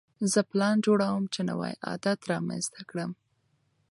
زه پلان جوړوم چې نوی عادت رامنځته کړم.